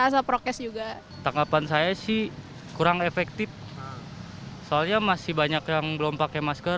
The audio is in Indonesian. rasa prokes juga tanggapan saya sih kurang efektif soalnya masih banyak yang belum pakai masker